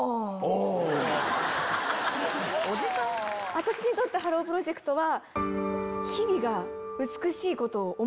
私にとって「ハロー！プロジェクト」は。